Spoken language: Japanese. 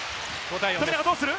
富永どうする？